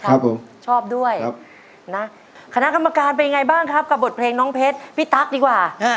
ครับนะคณะกรรมการไปยังไงบ้างครับกับบทเพลงน้องเพชรพี่ตั๊กดีกว่า